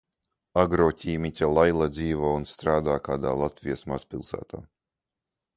Agroķīmiķe Laila dzīvo un strādā kādā Latvijas mazpilsētā.